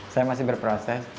saya masih berproses